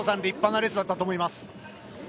立派なレースだったと思います。